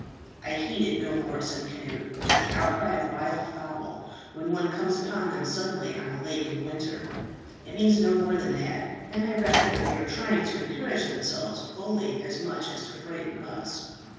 "I heed it no more," said Cnut, "than the outcry of wild fowl, when one comes upon them suddenly on a lake in winter. It means no more than that; and I reckon that they are trying to encourage themselves fully as much as to frighten us.